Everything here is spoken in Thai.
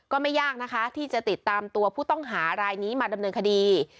ก็ไม่ยากนะคะที่จะติดตามตัวผู้ต้องหารายนี้มาดำเนินคดี